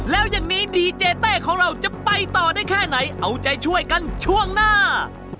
แล้วอย่างนี้ดีเจเต้ของเราจะไปต่อได้แค่ไหนเอาใจช่วยกันช่วงหน้า